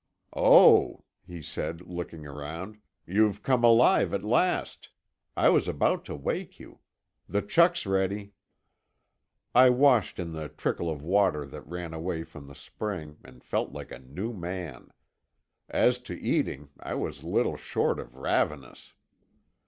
"Oh," he said, looking around, "you've come alive, at last. I was about to wake you. The chuck's ready." I washed in the trickle of water that ran away from the spring, and felt like a new man. As to eating, I was little short of ravenous.